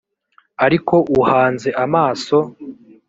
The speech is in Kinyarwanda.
ariko uhanze amaso